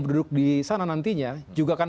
duduk di sana nantinya juga akan